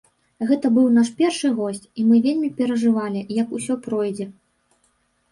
Гэта быў наш першы госць, і мы вельмі перажывалі, як усё пройдзе.